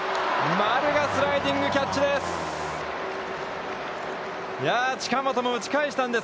丸がスライディングキャッチです。